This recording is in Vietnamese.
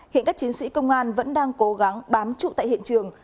hiện các chiến sĩ công an vẫn đang cố gắng bám trụ tại hiện trường